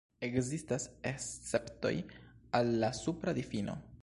Ekzistas esceptoj al la supra difino.